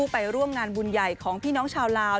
ไปร่วมงานบุญใหญ่ของพี่น้องชาวลาว